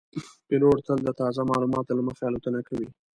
پیلوټ تل د تازه معلوماتو له مخې الوتنه کوي.